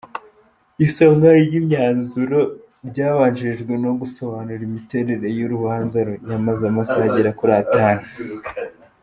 Isomwa ry’imyanzuro ryabanjirijwe no gusobanura imiterere y’urubanza yamaze amasaha agera kuri atanu.